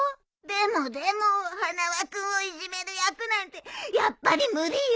でもでも花輪君をいじめる役なんてやっぱり無理よ！